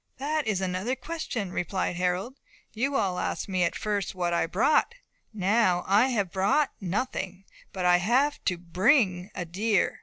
"That is another question," replied Harold. "You all asked me at first what I had brought. Now, I have brought nothing; but I have to bring a deer."